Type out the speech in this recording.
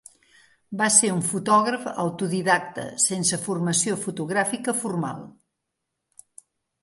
Va ser un fotògraf autodidacte sense formació fotogràfica formal.